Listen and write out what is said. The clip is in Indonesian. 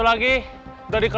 masih di pasar